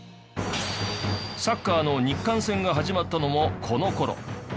サッカーの日韓戦が始まったのもこの頃。